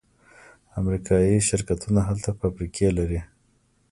امریکایی شرکتونه هلته فابریکې لري.